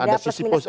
ada plus minusnya ya